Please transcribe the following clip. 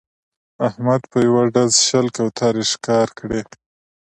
احمد په یوه ډز شل کوترې ښکار کړې